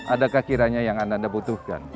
adakah kiranya yang anda anda butuhkan